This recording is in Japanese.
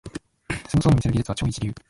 すごそうに見せる技術は超一流